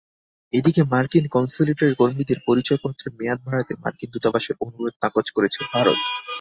এদিকে মার্কিন কনস্যুলেটের কর্মীদের পরিচয়পত্রের মেয়াদ বাড়াতে মার্কিন দূতাবাসের অনুরোধ নাকচ করেছে ভারত।